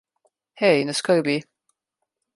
Hej, ne skrbi.